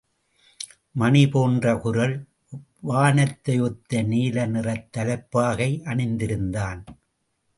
மணி போன்ற குரல், வானத்தையொத்த நீல நிறத் தலைப்பாகை அணிந்திருந்தான்.